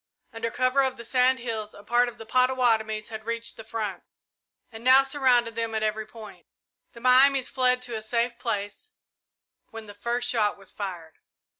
Under cover of the sand hills a part of the Pottawattomies had reached the front, and now surrounded them at every point. The Miamis fled to a safe place when the first shot was fired.